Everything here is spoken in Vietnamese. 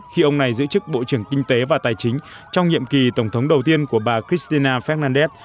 khi ông này giữ chức bộ trưởng kinh tế và tài chính trong nhiệm kỳ tổng thống đầu tiên của bà kristina fernandez